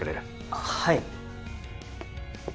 あっはい。